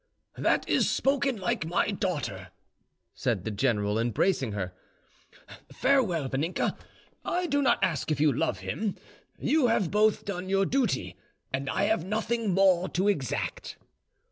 "That is spoken like my daughter," said the general, embracing her. "Farewell, Vaninka; I do not ask if you love him. You have both done your duty, and I have nothing more to exact."